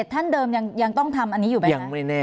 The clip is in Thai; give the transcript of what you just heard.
ท่านเดิมยังต้องทำอันนี้อยู่ไหม